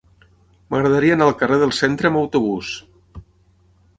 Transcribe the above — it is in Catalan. M'agradaria anar al carrer del Centre amb autobús.